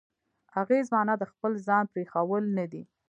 اغېز معنا د خپل ځان پرېښوول نه دی.